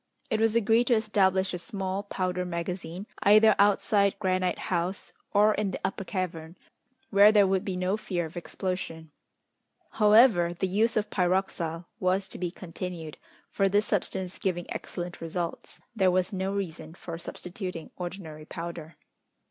It was agreed to establish a small powder magazine, either outside Granite House or in the Upper Cavern, where there would be no fear of explosion. However, the use of pyroxyle was to be continued, for this substance giving excellent results, there was no reason for substituting ordinary powder.